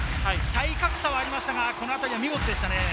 体格差はありましたが、このあたりは見事でしたね。